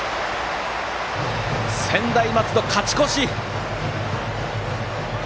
専大松戸、勝ち越し！